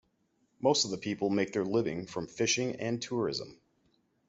Most of the people make their living from fishing and tourism.